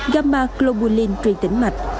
gamma globulin truyền tỉnh mạch